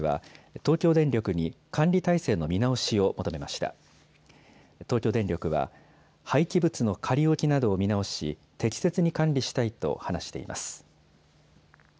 東京電力は、廃棄物の仮置きなどを見直し、適切に管理したいと話しています。